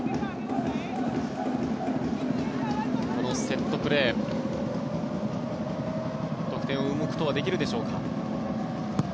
このセットプレー得点を生むことはできるでしょうか。